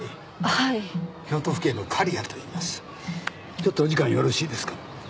ちょっとお時間よろしいですか？